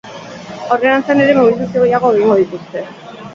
Aurrerantzean ere mobilizazio gehiago egingo dituzte.